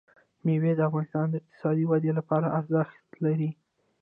مېوې د افغانستان د اقتصادي ودې لپاره ارزښت لري.